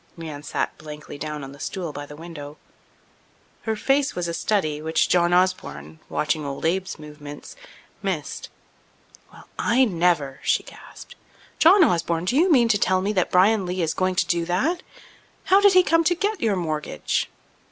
Nan sat blankly down on the stool by the window. Her face was a study which John Osborne, watching old Abe's movements, missed. "Well, I never!" she gasped. "John Osborne, do you mean to tell me that Bryan Lee is going to do that? How did he come to get your mortgage?"